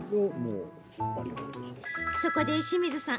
そこで清水さん